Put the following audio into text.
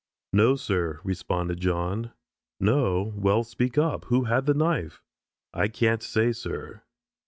"No, sir," responded John. "No? Well, speak up. Who had the knife?" "I can't say, sir."